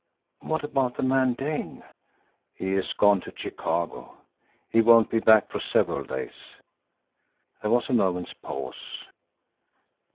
"What about the man Dane?" "He has gone to Chicago. He won't be back for several days." There was a moment's pause.